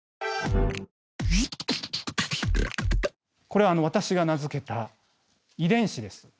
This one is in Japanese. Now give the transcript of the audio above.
これ私が名付けた遺伝子です。